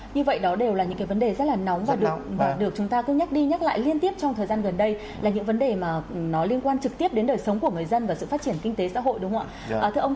như vậy đó đều là những cái vấn đề rất là nóng và được chúng ta cứ nhắc đi nhắc lại liên tiếp trong thời gian gần đây là những vấn đề mà nó liên quan trực tiếp đến đời sống của người dân và sự phát triển kinh tế xã hội đúng không ạ